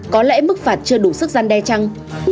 có lẽ mức phạt chưa đủ sức gian đe chăng